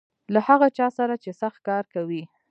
له هغه چا سره چې سخت کار کوي .